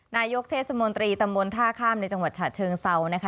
นายกเทศมนตรีตำบลท่าข้ามในจังหวัดฉะเชิงเซานะคะ